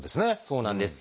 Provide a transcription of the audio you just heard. そうなんです。